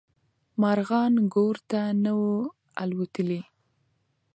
مارغان ګور ته نه وو الوتلي.